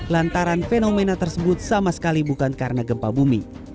lantaran fenomena tersebut sama sekali bukan karena gempa bumi